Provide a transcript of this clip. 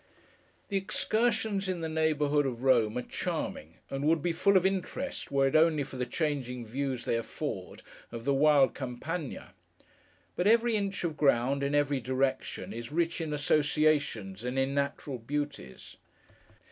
The excursions in the neighbourhood of Rome are charming, and would be full of interest were it only for the changing views they afford, of the wild Campagna. But, every inch of ground, in every direction, is rich in associations, and in natural beauties.